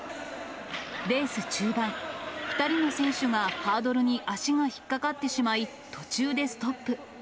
レース中盤、２人の選手がハードルに足が引っ掛かってしまい、途中でストップ。